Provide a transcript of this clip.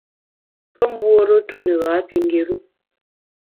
Pe mbuore tu ne gha pi ngéru.